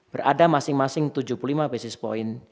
berada masing masing tujuh puluh lima basis point